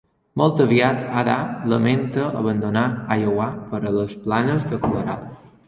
Molt aviat Ada lamenta abandonar Iowa per a les planes de Colorado.